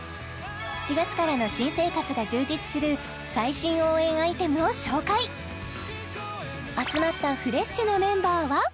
４月からの新生活が充実する最新応援アイテムを紹介集まったフレッシュなメンバーは？